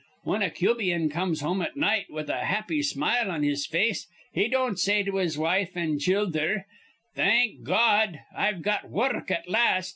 Whin a Cubian comes home at night with a happy smile on his face, he don't say to his wife an' childher, 'Thank Gawd, I've got wurruk at last!'